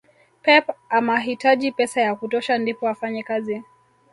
pep amahitaji pesa ya kutosha ndipo afanye kazi